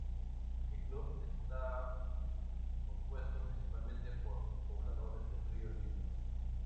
El club está compuesto principalmente por pobladores de Río Lindo.